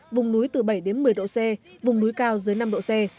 vùng núi từ bảy đến một mươi độ c vùng núi cao dưới năm độ c